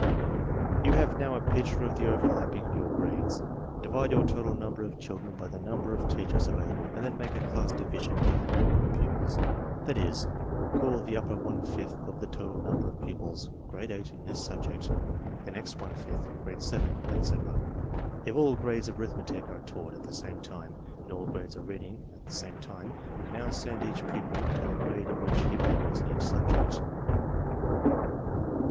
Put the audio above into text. You have now a picture of the overlapping of your grades. Divide your total number of children by the number of teachers available and then make a class division by the number of pupils; that is, call the upper one fifth of the total number of pupils Grade 8 in this subject, the next one fifth, Grade 7, etc. If all grades of arithmetic are taught at the same time and all grades of reading at the same time, you can no wsendea ch pupil to the grade in which he belongs in each subject.